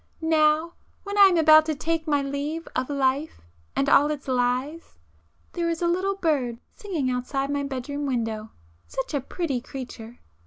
—now when I am about to take my leave of life and all its lies! ... There is a little bird singing outside my bedroom window,—such a pretty creature!